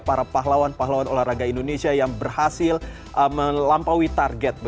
para pahlawan pahlawan olahraga indonesia yang berhasil melampaui target